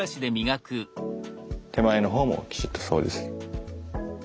手前の方もきちっと掃除する。